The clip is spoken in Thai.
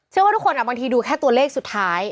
ว่าทุกคนบางทีดูแค่ตัวเลขสุดท้าย